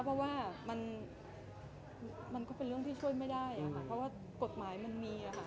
เพราะว่ามันก็เป็นเรื่องที่ช่วยไม่ได้ค่ะเพราะว่ากฎหมายมันมีค่ะ